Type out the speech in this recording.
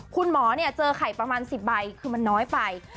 คุณหมอเจอไข่ประมาณ๑๐ใบคือมันน้อยไป